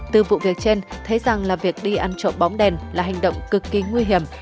từ vụ việc trên thấy rằng là việc đi ăn trộm bóng đèn là hành động cực kỳ nguy hiểm